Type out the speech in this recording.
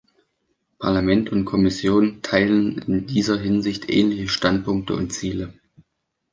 Parlament und Kommission teilen in dieser Hinsicht ähnliche Standpunkte und Ziele.